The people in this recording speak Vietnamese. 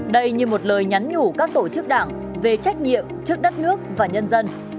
đây như một lời nhắn nhủ các tổ chức đảng về trách nhiệm trước đất nước và nhân dân